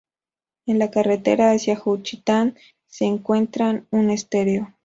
En la carretera hacia Juchitán se encuentra un estero.